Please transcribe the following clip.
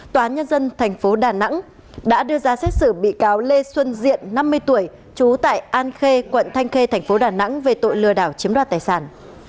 tòa nhân dân tp đà nẵng đã đưa ra xét xử bị cáo lê xuân diện năm mươi tuổi trú tại an khê quận thanh khê tp đà nẵng về tội lừa đảo chiếm đoạt tài sản